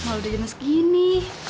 malah udah jenis gini